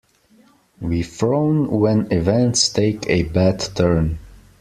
We frown when events take a bad turn.